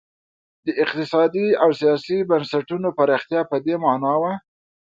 د اقتصادي او سیاسي بنسټونو پراختیا په دې معنا وه.